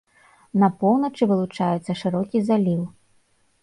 На поўначы вылучаецца шырокі заліў.